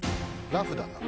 ラフだな。